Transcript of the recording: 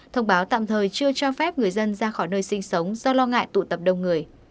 thông báo tạm thời chưa cho phép người dân ra khỏi nơi sinh sống do lo ngại tụ tập đông người